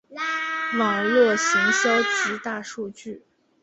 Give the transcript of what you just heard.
网路行销及大数据